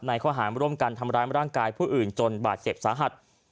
นายเขาหามาร่วมกันทำร้ายร่างกายผู้อื่นจนบาดเสพสาหัส